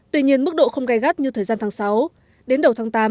tuy nhiên mức độ không gai gắt như thời gian tháng sáu đến đầu tháng tám